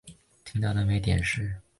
不久贬官。